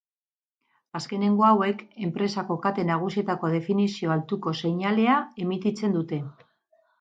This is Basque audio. Azkenengo hauek enpresako kate nagusietako definizio altuko seinalea emititzen dute.